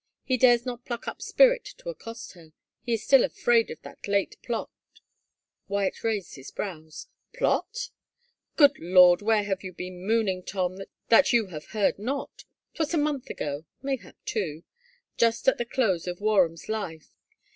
... He dares not pluck up spirit to accost her — he is still afraid of that late plot —" Wyatt raised his brows. " Plot ?"" Good Lord, where have you been moaning, Tom, that you have heard not? 'Twas a month ago — mayhap two — just at the close of Warham's life.